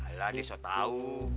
alah dia sudah tau